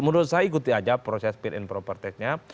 menurut saya ikuti aja proses fit and proper testnya